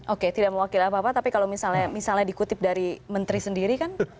oke tidak mewakili apa apa tapi kalau misalnya dikutip dari menteri sendiri kan